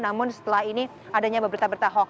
namun setelah ini adanya berita berita hoax